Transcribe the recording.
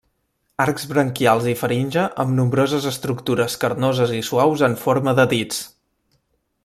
Arcs branquials i faringe amb nombroses estructures carnoses i suaus en forma de dits.